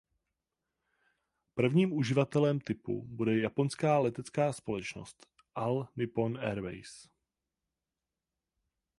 Prvním uživatelem typu bude japonská letecká společnost All Nippon Airways.